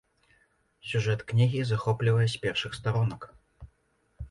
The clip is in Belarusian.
Сюжэт кнігі захоплівае з першых старонак.